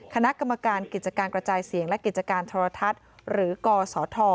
คณะกรรมการกิจการกระจายเสียงและกิจการโทรทัศน์หรือกศธ